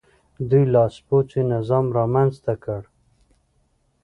دوی لاسپوڅی نظام رامنځته کړ.